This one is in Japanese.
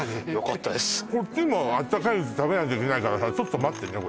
こっちも温かいうち食べないといけないからさちょっと待ってね